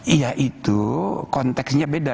iya itu konteksnya beda